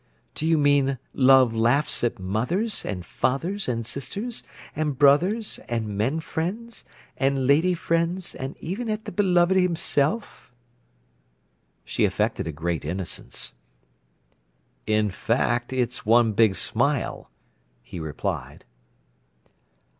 "Do you mean love laughs at mothers, and fathers, and sisters, and brothers, and men friends, and lady friends, and even at the b'loved himself?" She affected a great innocence. "In fact, it's one big smile," he replied.